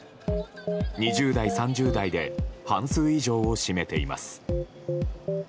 ２０代、３０代で半数以上を占めています。